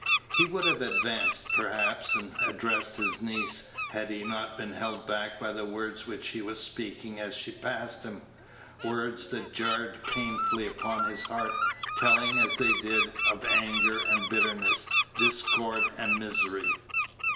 He would have advanced, perhaps, and addressed his niece, had he not been held back by the words which she was speaking as she passed him words that jarred painfully upon his heart, telling, as they did, of anger and bitterness, discord and misery.